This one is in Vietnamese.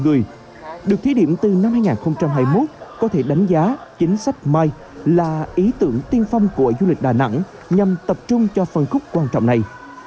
người được thí điểm từ năm hai nghìn hai mươi một có thể đánh giá chính sách my là ý tưởng tiên phong của du lịch đà nẵng nhằm tập trung cho phân khúc quan trọng này